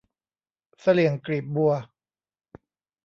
เสลี่ยงกลีบบัว